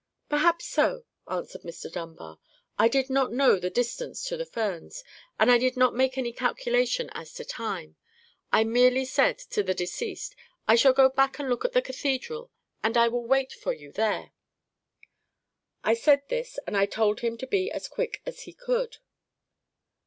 "Perhaps so," answered Mr. Dunbar; "I did not know the distance to the Ferns, and I did not make any calculation as to time. I merely said to the deceased, 'I shall go back and look at the cathedral; and I will wait for you there.' I said this, and I told him to be as quick as he could."